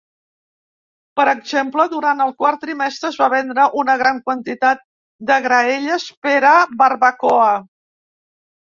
Per exemple, durant el quart trimestre es va vendre una gran quantitat de graelles per a barbacoa.